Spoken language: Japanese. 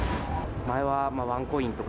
前はワンコインとか。